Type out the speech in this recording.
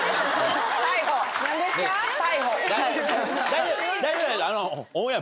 大丈夫大丈夫。